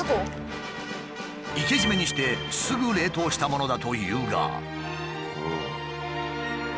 生け締めにしてすぐ冷凍したものだというが。